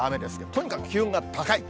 とにかく気温が高い。